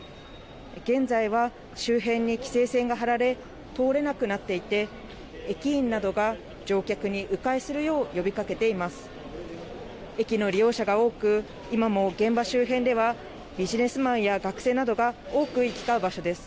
現在は、周辺に規制線が張られ、通れなくなっていて、駅員などが乗客にう回するよう、呼びかけています。